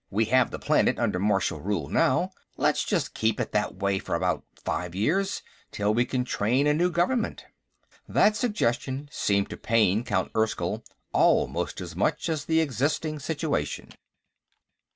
We have the planet under martial rule now; let's just keep it that way for about five years, till we can train a new government." That suggestion seemed to pain Count Erskyll almost as much as the existing situation.